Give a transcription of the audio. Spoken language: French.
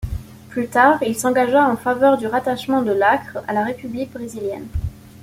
Plus tard, il s’engagea en faveur du rattachement de l’Acre à la république brésilienne.